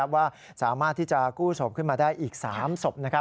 ว่าสามารถที่จะกู้ศพขึ้นมาได้อีก๓ศพ